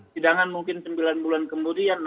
sidangan mungkin sembilan bulan kemudian